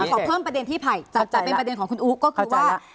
ขอเพิ่มประเด็นที่ไผ่แต่เป็นประเด็นของคุณอู๋ก็คือว่า